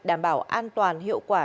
đảm bảo an toàn hiệu quả